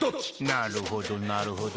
なるほどなるほど。